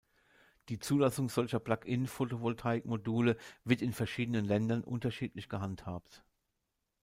Die Zulassung solcher Plug-In-Photovoltaikmodule wird in verschiedenen Ländern unterschiedlich gehandhabt.